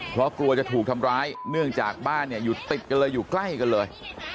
เพราะกลัวจะถูกทำร้ายเนื่องจากบ้านเนี่ยอยู่ติดกันเลยอยู่ใกล้กันเลย